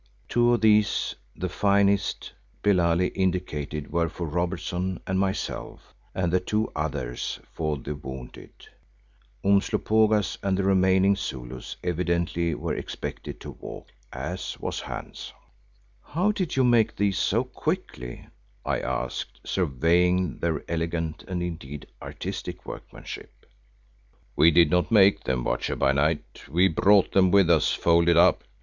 Two of these, the finest, Billali indicated were for Robertson and myself, and the two others for the wounded. Umslopogaas and the remaining Zulus evidently were expected to walk, as was Hans. "How did you make these so quickly," I asked, surveying their elegant and indeed artistic workmanship. "We did not make them, Watcher by Night, we brought them with us folded up.